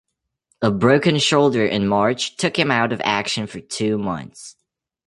A broken shoulder in March took him out of action for two months.